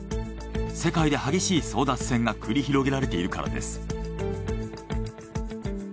世界で激しい争奪戦が繰り広げられているからです。